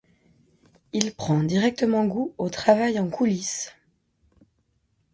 Il prend directement goût au travail en coulisse.